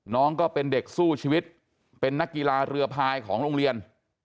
น้องก็เป็นเด็กสู้ชีวิตเป็นนักกีฬาเรือพายของโรงเรียน